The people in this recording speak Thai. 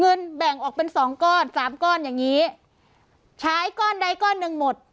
เงินแบ่งออกเป็นสองก้อนสามก้อนอย่างงี้ใช้ก้อนใดก้อนหนึ่งหมด